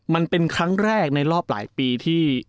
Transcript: มันเป็นครั้งแรกในรอบหลายปีที่